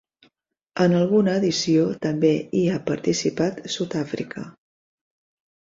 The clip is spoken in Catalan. En alguna edició també hi ha participat Sud-àfrica.